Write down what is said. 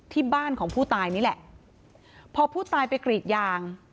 ที่บ้านของผู้ตายนี่แหละพอผู้ตายไปกรีดยาง